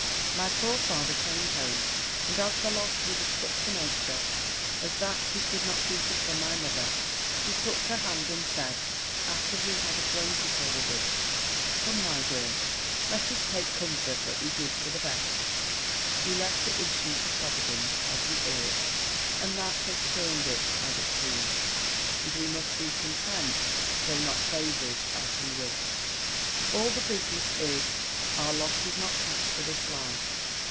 My poor father came home; and as the loss was of such a nature, as that he could not keep it from my mother, he took her hand, and said, after he had acquainted her with it, "Come, my dear, let us take comfort, that we did for the best. We left the issue to Providence, as we ought, and that has turned it as it pleased; and we must be content, though not favoured as we wished. All the business is, our lot is not cast for this life.